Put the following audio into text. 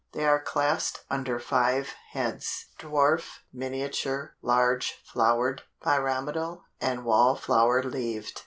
They are classed under five heads: Dwarf, Miniature, Large flowered, Pyramidal and Wall flower leaved.